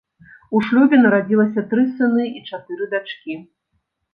У шлюбе нарадзілася тры сыны і чатыры дачкі.